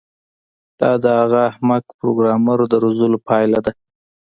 دا د هغه احمق پروګرامر د روزلو پایله ده